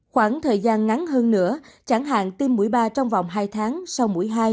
khoảng thời gian ngắn hơn nữa chẳng hạn tiêm mũi ba trong vòng hai tháng sau mũi hai